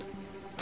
あ